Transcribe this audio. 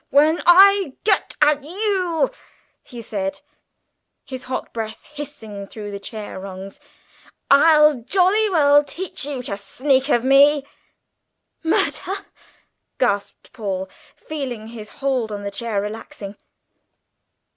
"When I get at you," he said, his hot breath hissing through the chair rungs, "I'll jolly well teach you to sneak of me!" "Murder!" Paul gasped, feeling his hold on the chair relaxing.